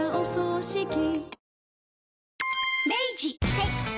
はい。